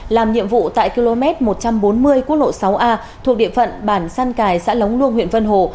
làm nhiệm vụ tại km một trăm bốn mươi quốc lộ sáu a thuộc địa phận bản san cài xã lóng luông huyện vân hồ